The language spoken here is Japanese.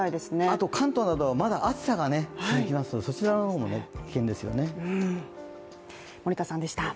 あと関東などはまだ暑さが続きますのでそちらの方も危険ですよね。